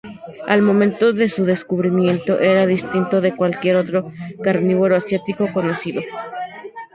Al momento de su descubrimiento, era distinto de cualquier otro carnívoro asiático conocido.